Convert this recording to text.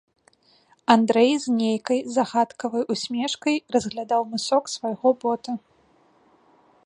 Андрэй з нейкай загадкавай усмешкай разглядаў мысок свайго бота.